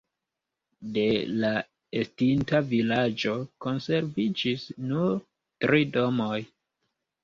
De la estinta vilaĝo konserviĝis nur tri domoj.